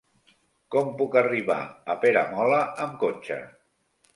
Com puc arribar a Peramola amb cotxe?